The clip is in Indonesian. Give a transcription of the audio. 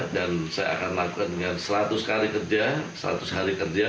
dan saya akan lakukan dengan seratus kali kerja seratus hari kerja